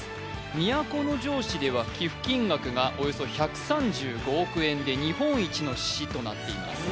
都城市では寄付金額がおよそ１３５億円で日本一の市となっています